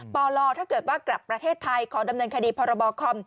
ปลถ้าเกิดว่ากลับประเทศไทยขอดำเนินคดีพรบคอม